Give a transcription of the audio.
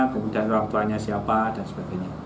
kemudian orang tuanya siapa dan sebagainya